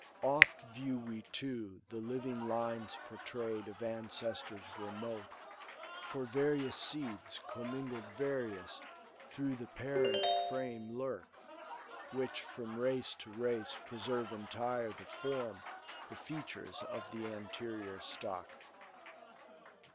Oft view we, too, the living lines portray'd Of ancestors remote ; for various seeds, Commingled various, through the parent frame Lurk, which from race to race preserve entire The form, the features of the anterior stock.